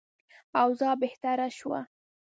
اوضاع بهتره شوه.